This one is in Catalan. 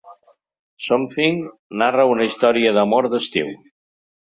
Something narra una història d’amor d’estiu.